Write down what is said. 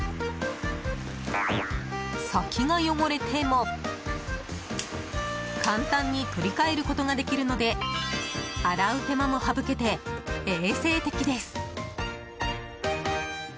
先が汚れても、簡単に取り替えることができるので洗う手間も省けて衛生的です。